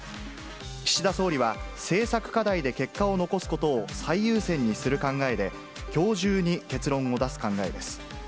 岸田総理は、政策課題で結果を残すことを最優先にする考えで、きょう中に結論を出す考えです。